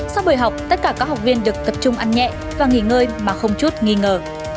sau buổi học tất cả các học viên được tập trung ăn nhẹ và nghỉ ngơi mà không chút nghi ngờ